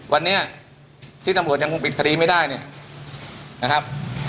วันนี้ที่ตำรวจยังคงปิดคดีไม่ได้เนี่ยนะครับ